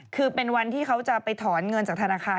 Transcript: คือเป็นวันที่เขาจะไปถอนเงินจากธนาคาร